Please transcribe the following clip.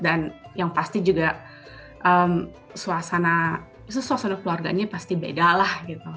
dan yang pasti juga suasana keluarganya pasti bedalah gitu